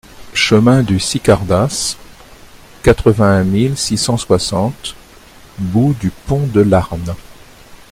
Chemin du Sicardas, quatre-vingt-un mille six cent soixante Bout-du-Pont-de-Larn